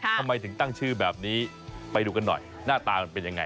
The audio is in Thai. ทำไมถึงตั้งชื่อแบบนี้ไปดูกันหน่อยหน้าตามันเป็นยังไง